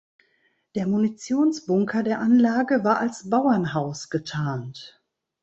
Der Munitionsbunker der Anlage war als Bauernhaus getarnt.